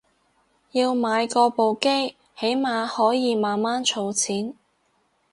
要買過部機起碼可以慢慢儲錢